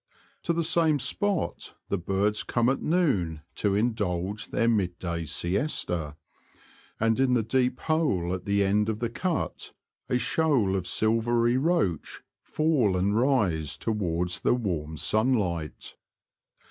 To the same spot the birds come j at noon to indulge their mid day siesta^ and in j the deep hole at the end of the cut a shoal of ' silvery roach fall and rise towards the warm ' sunlight.